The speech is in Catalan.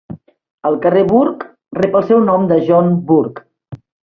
El carrer Bourke rep el seu nom de John Bourke.